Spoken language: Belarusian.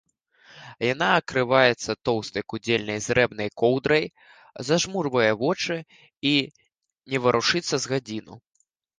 Яна акрываецца тоўстаю кудзельнаю зрэбнаю коўдраю, зажмурвае вочы і не варушыцца з гадзіну.